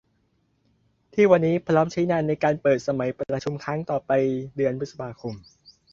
ที่วันนี้พร้อมใช้งานในการเปิดสมัยประชุมครั้งต่อไปเดือนพฤษภาคม